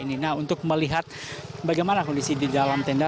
nah untuk melihat bagaimana kondisi di dalam tenda